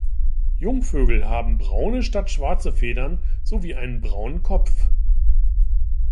Jungvögel haben braune statt schwarze Federn sowie einen braunen Kopf.